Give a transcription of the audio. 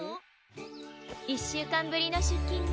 １しゅうかんぶりのしゅっきんね。